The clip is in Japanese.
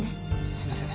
すいません。